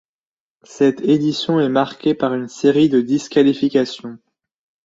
Cette édition est marquée par une série de disqualifications.